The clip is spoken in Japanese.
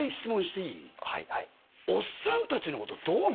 はいはいえ？